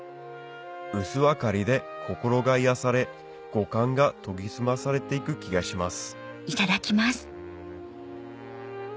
薄明かりで心が癒やされ五感が研ぎ澄まされていく気がします